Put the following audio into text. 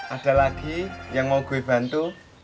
ada lagi yang mau gue bantu